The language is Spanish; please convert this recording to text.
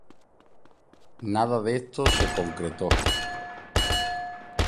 Nada de esto se concretó.